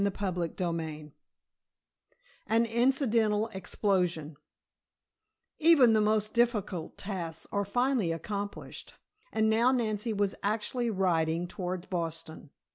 CHAPTER II AN INCIDENTAL EXPLOSION Even the most difficult tasks are finally accomplished, and now Nancy was actually riding towards Boston.